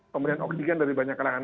pemberian oksigen dari banyak kalangan